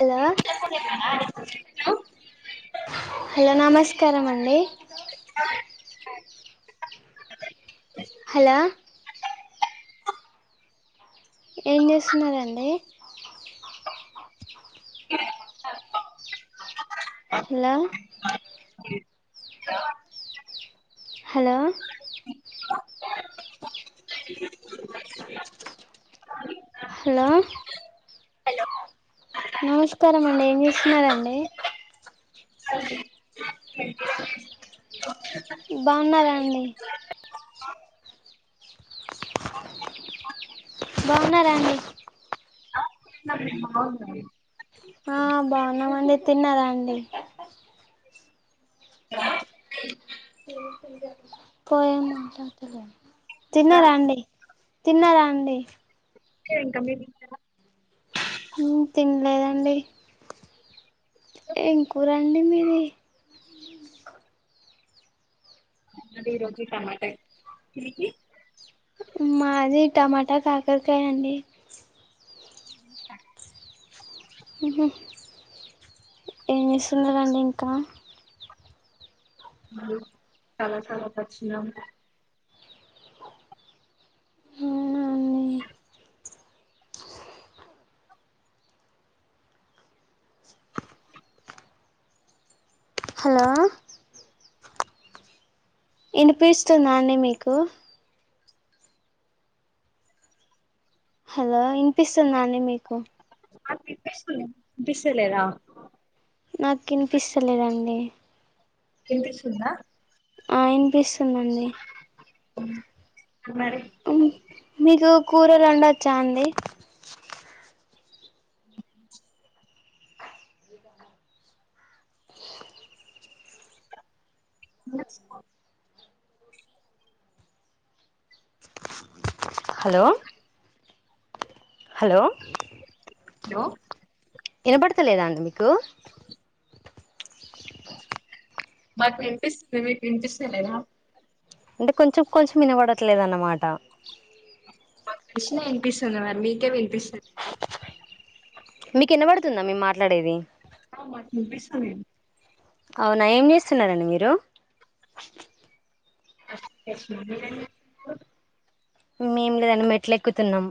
Hello హు hello hello నమస్కారమండి hi hello ఏం చేస్తున్నారండి హలో హలో హలో నమస్కారం అండి ఏం చేస్తున్నారండి బాగున్నారా అండీ బాగున్నారా అండీ అవునండి ఆ బాగున్నామండి తిన్నారా అండి పోయా మాట్లాడతలేదు తిన్నారండి తిన్నారండి ఇంకా మీ ఊ తినలేదండి ఎంకుర అండి మీది దిరోజు టమాట ఎగ్ మాది టమాటా కాకరకాయ అండి ఈ మసిన రడి ఇంకా చాలా చాలా కా అవునా అండి హలో వినిపిస్తున్నాండి మీకు హలో ఇనిపిస్తున్నా అండి మీకు బిసలేదా నాకు కినిపిస్తలేదండి ఏంపిస్తుందా ఇనిపిస్తుందండి మరి అవును మీకు కూరలు రెండు వచ్చాడి హలో హలో హలో వినబడతలేదా అండి మీకు మాకు వినిపిస్తుంది మీకు వినిపిస్తును ఎలా అంటే కొంచెం కొంచెం వినబడట్లేదున్నమాట కశిన వినిపిస్తుంది మరి మీకే వినిపిస్తుంది మీకు ఎన్న పడుతుందా మీ మాట్లాడేది ముంటే సమయం అవునా ఏం చేస్తున్నడి మీరు కష్ మేము లేదని మెట్లెక్కుతున్నాము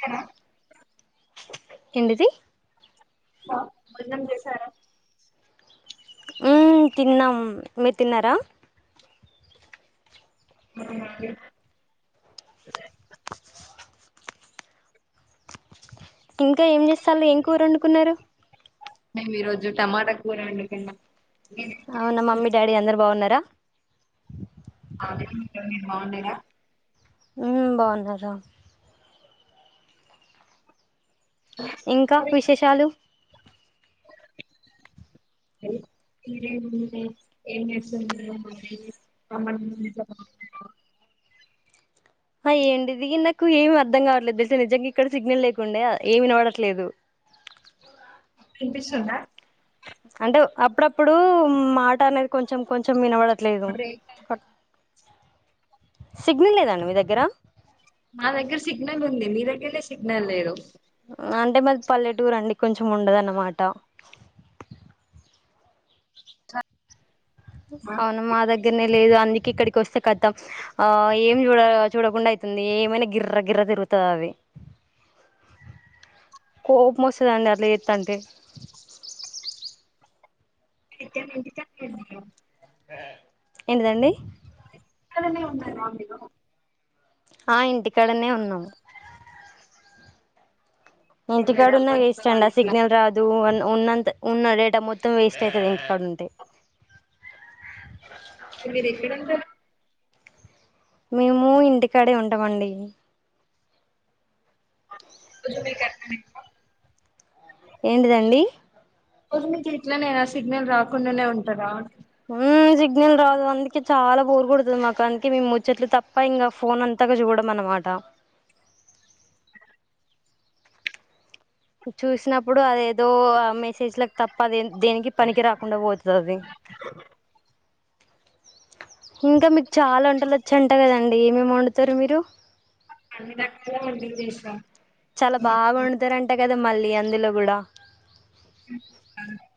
తిన్నారా? ఏంటిది మన్నం చే సారా ఉ తిన్నాం మీరు తిన్నారా ఇంకా ఏం చేస్తాలో ఏం కూరండుకున్నారు మేము ఈ రోజు టమాటా కూర వండుకున్న అవునా మమ్మీ డాడీ అందరు బాగున్నారా అ బాగున్నారు ఇంకా విశేషాలు ఏ ఇంకేముంది ఏంచేస్తున్నారు అ ఏండి దిగి నాకు ఏమి అర్థం కావట్లేదు తెలిస నిజంగా ఇక్కడ సిగ్నల్ లేకుండడా ఏమి నవడట్లేదు ఇప్పుడు వినిపిస్తుందా అంటే అప్పుడప్పుడు మాట అనేది కొంచెం కొంచెం వినబడ ట్లేదు బ్రేక్ అయి- కొట్ సిగ్నల్ లేదండి మీ దగ్గర ఇక సిగ్నల్ లే అంటే మరి పల్లెటూరు అండి కొంచెం ఉండదున్నమాట అవును మా దగ్గరనే లేదు అందుక ఇక్కడికి కోస్త కథమ్ ఆ ఏం చూడ చూడకుండా అయితుంది ఏమైనా గిర్ర గిర్ర తిరుగుతుంది అవి కో మోస్తుద అండి అట్లా ఎతుంటే ఇతే మ చ ఏంటదండి అనే ఉంద ఆ ఇంటికాడనే ఉన్నాము ఇంటి మీరు కాడు నాగ రమ్మంటున్న ఇష్ట వాళ్ళు అండా ఇట్లా సిగ్నల్ రా అదు ఉన్నంత ఉన్న రేట్ మొం మొత్తం వేస్ట్ అవుతుంది ఏక్కడు ఉంటే మీరు ఎక్కడంటారు మేము ఇంటికాడే ఉంటామండి జ మీక ఏంటిదండి రోజు మీకు ఇట్లనేనా సిగ్నల్ రాకుండానే ఉంటారా ఉ సిగ్నల్ రాదు అందుకే చాలా బోరు కుడుతుంది మాకు అందుకే మేము ముచ్చేట్లు తప్ప ఇంకా ఫోన్ అంతాక చూడడం అన్నమాట చూసినప్పుడు అద ఏదో మెసేజ్లకు తప్ప అదే దేనికి పనికి రాకుండా పోతుది ఇంకా మీ చాలా వంటలు వచ్చింటాయి కదండి అంటే ఏమేమి వండుతారు మీరు అన్ని రకాల వంటలు చేస్తా చాలా బాగా వండుతారు అంటే కదా కద మళ్ళీ అందులో కూడా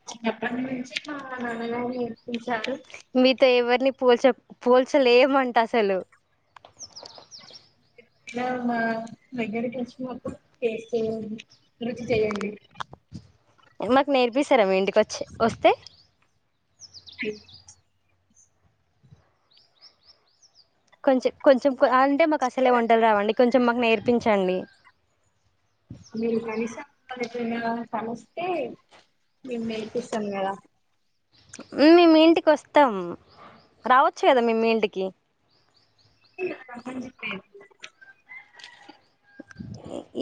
చిన్నప్పటి నుంచి మా నాన్నగారి మీతో ఎవరిని పూల్చక్ పోల్చలేమంట అసలు ఇలా మా దగ్గరకి వచ్చినప్పుడు టేస్ట్ చేయండి రుచి చెయండి మాకు నేర్పిస్తారా మీ ఇంటికి వచ్చి వస్తే హ కొంచెం కొంచెం అంత్ అంటే మాకు అసలే వంటలు రాండి కొంచెం మాకు నేర్ పించండి మీరు కనీసం నన్ను ఎప్పుడైనా కలిస్తే మేము నేర్పిస్తాం కదా మేము మీ ఇంటికి వస్తాం రావచ్చు కదా మే మీ ఇంటికి టీ మన్మంచూపే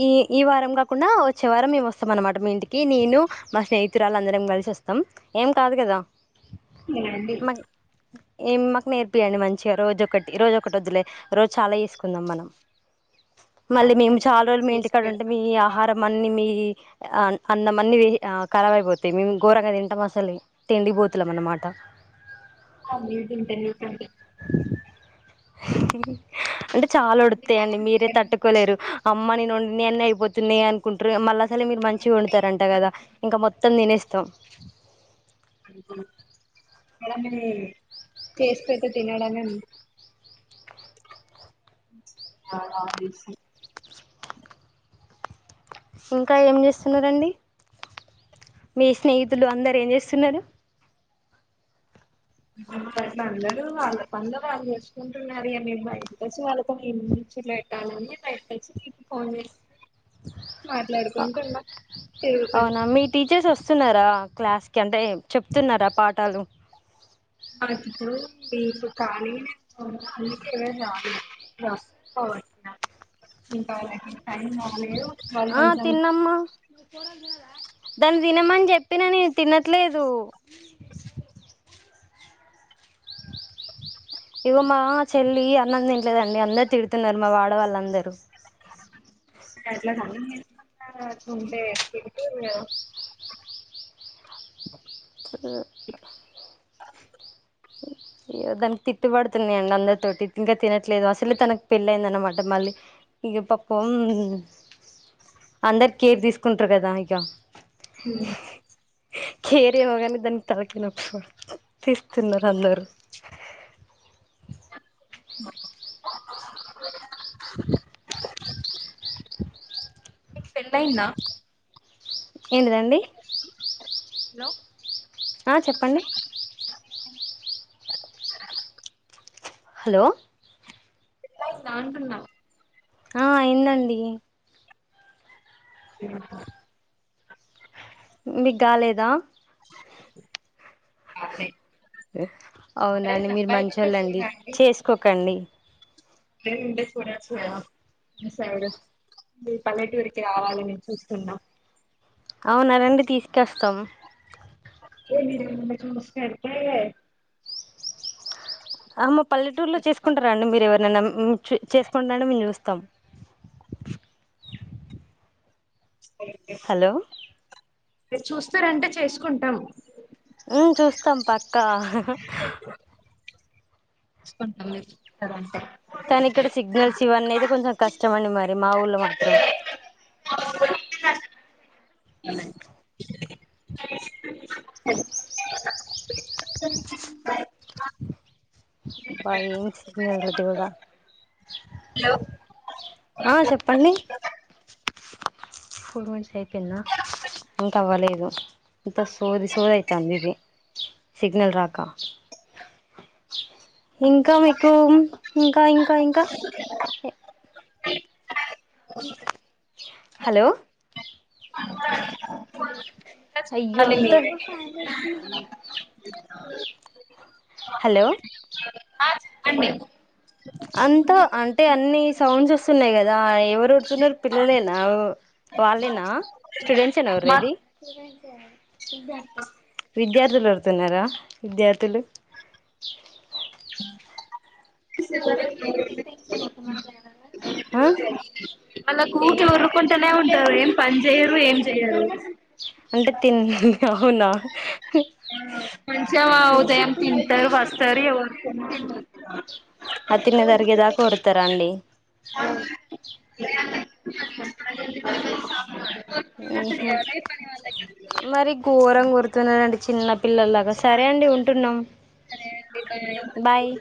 ఈ ఈ వారం కాకుండా వచ్చే వారం మేము వస్తాం అన్నమాట మీ ఇంటికి నేను మా స్నేహితురాలు అందరం కలిసి వస్తాం ఏం కాదు కదా ఇనండీ ఏ మాకు నేర్పియండి మంచిగా రోజొ ఒకటి రోజు ఒకటి వద్దులే రోజు చాలా చేసుకుందాం మనం మళ్ళీ మేము చాలా రోజులు మీ చేసి ఇంటికాడ ఉంటే మీ పెడతాను ఆహారం అన్ని మీ అన్నమన్నవి కఖరావైపోతాయి మేము ఘోరంగా తింటాం అసలు తిండిపోతులేం అన్నమాట ఆ ఇ ఇంటర్వ్యూ కంటి [unintelligible] హు అంటే చాలా ఓడుతాయండి అందుకని మీరే చేయడం తట్టుకోలేరు మంచిది అమ్మని ఓ నాయన్ని నేన్న అయిపోతున్నాయి అనుకుంటారు మళ్ళ అసలు మీరు మంచిగా అట్లే వండుతరంట కదా మనకు ఇంకా మొత్తం తినేస్త త మడ చేసు పెడితే తినడం ఆ ఇంకా ఏం చేస్తున్నారండి మీ స్నేహితులు అందరు ఏం చేస్తున్నారు అట్ల అందరూ వాళ్ళ పనులు వాళ్ళు చేసుకుంటున్నారు ఇగ మేము బయట వచ్చి వాళ్ళతో ఏం ముచ్చట్లు పెట్టాలని బయటకొచ్చి మీకు ఫోన్ చేస తిరుగుతున్నా అవునా మీ టీచర్స్ వస్తున్నారు రా క్లాస్ కి అంటే చెప్తున్నారా పాఠాలు మాప్పు వపు కానీ అన్ని రాల కావచ్చు ఇంకా వాళ్ళకి టైం రాలేదు ఆ తిన్నమ్మా దాన్ని తినమని చెప్పిన నేను తినట్లేదు ఇగో మా చెల్లి అన్నం తినలేదండి అందరు తిడుతున్నారు మా వాడ వాళ్ళ అందరూ అట్లా అన్నం తినకుండా అట్లా ఉంటే ఎట్లా అండి [inaudible] ఇగదానికి తిట్లుబడుతున్నాయండి అందరితోటి ఇంగా తినట్లేదు అసలే తనకు పెళ్లి అయిందన్నమాట మళ్ళీ ఇగ పాపం అందరు కేర్ తీసుకుంటారు గదా ఇక హ్మ్ కేరేమోగాని దానికి తలకినొప్పివ తిడుతున్నారు అందరూ [unintelligible] నిక్ పెళ్లయిందా ఏంటిదండి హలో ఆ చెప్పండి హలో నాంటన్నా ఆ అయిందండి ఆఓహా [inaudible] మీకు గాలేదా అదే అవునండి మీరు మంచోళ్ళండీ చేసుకోకండి రేంటే చూడచ్చుదా మీ సైడ్ మీ పల్లెటూరికి రావాలి నేను చూస్తున్నా అవునా రండి తీసుకొస్తం [unintelligible] ఆమ పల్లెటూర్లో వస్తాం చేసుకుంటారండి మీరు ఎవరు [unintelligible] చీ చేసుంటాను మీరు చూస్త త్తం ఒకే చూస్తారంటే చేసుకుంటాం హ్మ్ చూస్తాం పక్కా చూసుకుంటాం మీరు చూస్తారంటే కానీ ఇక్కడ సిగ్నల్స్ ఇవన్నీ అయితే కొంచెం కష్టం అండి మరి మా ఊళ్ళో మాత్రం హలో [unintelligible] బా ఏమి సిగ్నల్ రా దేవుడా ఫోర్ మంత్స్ అయిపోయింద ఇంకా అవ్వలేదు ఇంత సోది సోది అయితాంది ఇది సిగ్నల్ రాక ఇంకా మీకు ఇంకా ఇంకా ఇంకా హలో ఇంకా అయ్యో చెప్పాలి అంత మీరే [unintelligible] హలో అండి అంతా అంటే అన్ని సౌండ్స్ వస్తున్నాయి గదా ఎవరుడుతున్నారు పిల్లలేనా వాళ్ళేనా స్టూడెంట్స్ ఏనా ఒర్రెది మాకు విద్యార్థులు ఓరుతున్నారా విద్యార్థులు ఆ వాలు ఊరక ఉరుకుంటనే ఉంటవు ఏం పనిజే పంచెయారు ఏం చేయరు అంట తిని అవునా మంచి వా ఉదయం తింటారు వస్తారు ఎవరు [unintelligible] ఆ తిన్నది అరిగే దాకా ఓరుతర అండి ఉహుమ్ అదే పని వాళ్ళకి మరి ఘోరం గుర్తున్నానండి చిన్నపిల్లల్లాగా సరే అండి ఉంటున్నాం సరే అండి బాయ్